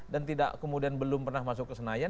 dan kemudian belum pernah masuk ke senayan